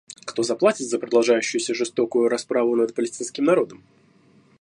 Кто заплатит за продолжающуюся жестокую расправу над палестинским народом?